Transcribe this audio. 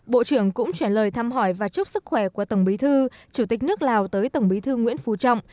bộ trưởng cũng chuyển lời thăm hỏi và chúc sức khỏe của tổng bí thư chủ tịch nước lào tới tổng bí thư nguyễn phú trọng